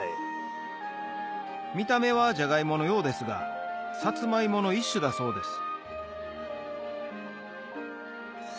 見た目はジャガイモのようですがサツマイモの一種だそうです